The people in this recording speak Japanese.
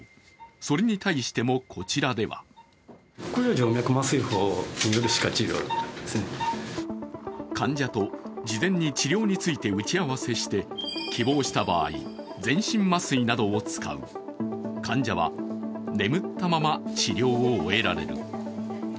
それに対しても、こちらでは患者と事前に治療について打ち合わせして希望した場合、全身麻酔などを使う患者は、眠ったまま治療を終えられる。